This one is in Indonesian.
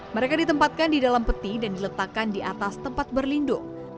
mereka ditempatkan di dalam peti dan diletakkan di atas tempat berlindung